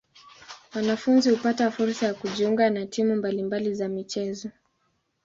Wanafunzi hupata fursa ya kujiunga na timu mbali mbali za michezo.